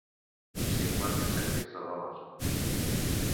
Cinquanta cèntims de dòlar!